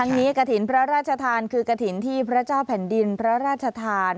ทั้งนี้กฐินพระราชทานคือกฐินที่พระเจ้าแผ่นดินพระราชทาน